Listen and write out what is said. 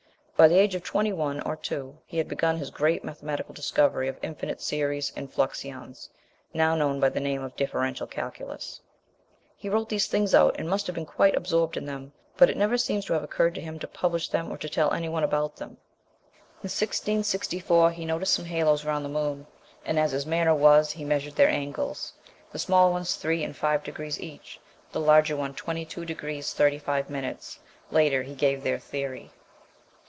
By the age of twenty one or two he had begun his great mathematical discovery of infinite series and fluxions now known by the name of the Differential Calculus. He wrote these things out and must have been quite absorbed in them, but it never seems to have occurred to him to publish them or tell any one about them. In 1664 he noticed some halos round the moon, and, as his manner was, he measured their angles the small ones 3 and 5 degrees each, the larger one 22°·35. Later he gave their theory.